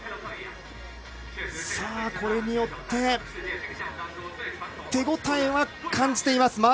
これによって手応えは感じています